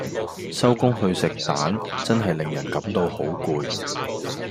收工去食彈真係令人感到好攰